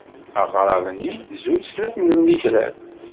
Aɣrab-nni zur snat n lmitrat.